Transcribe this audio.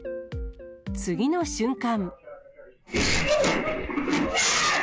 次の瞬間。